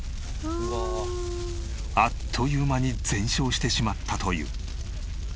あっという間に全焼してしまったという。